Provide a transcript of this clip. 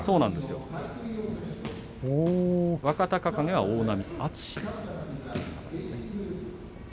若隆景は大波渥。